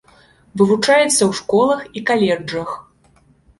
Вывучаецца ў школах і каледжах.